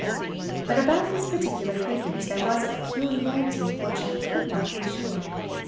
But about these particular figures there was a peculiarity of which I could not be sure.